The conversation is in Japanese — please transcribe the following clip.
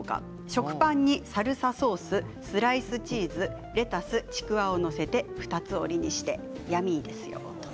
食パンにサルサソーススライスチーズ、レタスちくわを載せて二つ折りにしてヤミーですよ。